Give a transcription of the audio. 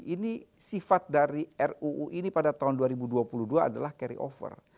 ini sifat dari ruu ini pada tahun dua ribu dua puluh dua adalah carry over